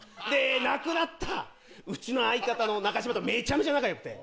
亡くなったうちの相方の中島とめちゃめちゃ仲良くて。